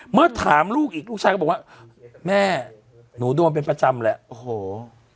เมื่อถามลูกอีกลูกชายก็บอกว่าแม่หนูโดนเป็นประจำแหละโอ้โห